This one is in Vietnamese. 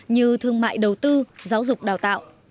như thương mại đầu tư giáo dục đào tạo